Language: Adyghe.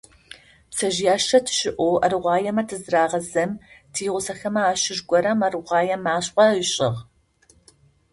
Пцэжъыяшэ тыщыӏэу аргъоймэ тызырагъэзым, тигъусэхэмэ ащыщ горэм аргъой машӏо ышӏыгъ.